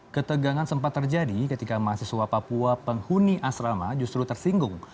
ketegangan sempat terjadi ketika mahasiswa papua penghuni asrama justru tersinggung